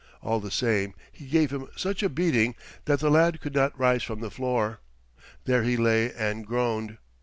All the same he gave him such a beating that the lad could not rise from the floor. There he lay and groaned.